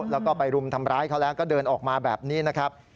แล้วก็ไปรุมทำร้ายเขาแล้วก็เดินออกมาแบบนี้นะครับ